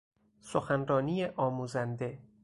سخنرانی آموزنده